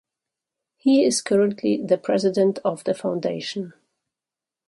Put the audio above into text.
He is currently the president of the foundation.